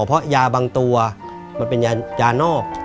เพราะยาบางตัวมันเป็นยานอก